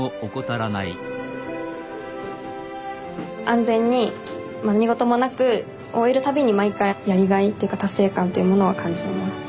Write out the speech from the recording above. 安全に何事もなく終えるたびに毎回やりがいっていうか達成感というものを感じます。